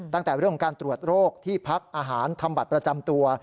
ตั้งแต่เรื่องของการตรวจโรคที่พักอาหารทำบัตรประจำตัว